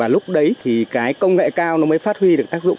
lúc đấy thì cái công nghệ cao nó mới phát huy được tác dụng